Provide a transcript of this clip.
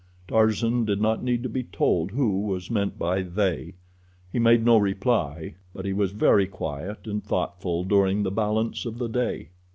Tarzan did not need to be told who was meant by "they." He made no reply, but he was very quiet and thoughtful during the balance of the day.